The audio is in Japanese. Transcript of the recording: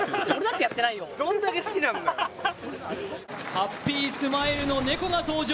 ハッピースマイルの猫が登場。